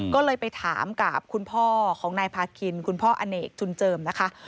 ก็เลยไปถามกับคุณพ่อของนายพาคินคุณพ่ออเนกจุนเจิมนะคะ